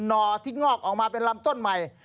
อที่งอกออกมาเป็นลำต้นใหม่